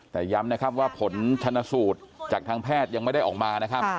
แต่ย้ำนะครับว่าผลชนสูตรจากทางแพทย์ยังไม่ได้ออกมานะครับ